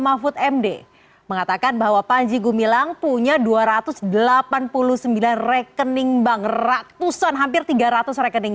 mahfud md mengatakan bahwa panji gumilang punya dua ratus delapan puluh sembilan rekening bank ratusan hampir tiga ratus rekening